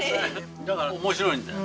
だから面白いんだよ。